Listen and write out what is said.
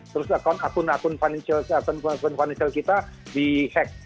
terus akun akun financial kita di hack